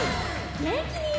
げんきに！